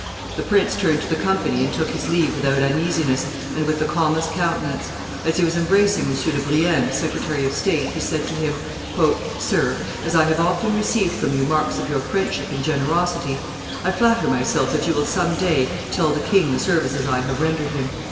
The prince turned to the company and took his leave without uneasiness and with the calmest countenance: as he was embracing M. de Brienne, secretary of state, he said to him, "Sir, as I have often received from you marks of your friendship and generosity, I flatter myself that you will some day tell the king the services I have rendered him."